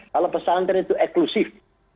kalau pesantren itu eklusif